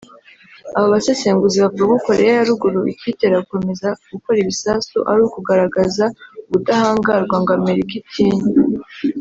Aba basesenguzi bavuga ko Koreya ya Ruguru ikiyitera gukomeza gukora ibisasu ari ukugaragaza ubudahangarwa ngo Amerika itinye